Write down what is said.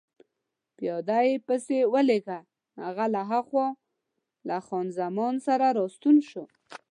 پیاده يې پسې ولېږه، هغه له هاخوا له خان زمان سره راستون شو.